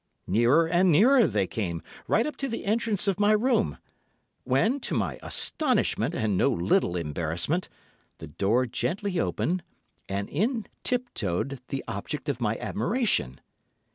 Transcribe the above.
Nearer and nearer they came, right up to the entrance of my room, when, to my astonishment and no little embarrassment, the door gently opened, and in tip toed the object of my admiration.